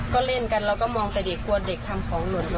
ก็เล่นกันเราก็มองแต่เด็กกลัวเด็กทำของหนุน